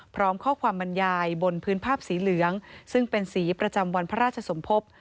พร้อมข้อความบรรยายบนพื้นภาพสีเหลืองซึ่งเป็นสีประจำวันพระราชสมภพ